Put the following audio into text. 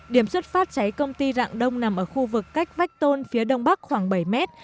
điểm xuất phát cháy công ty rạng đông nằm ở khu vực cách vách tôn phía đông bắc khoảng bảy mét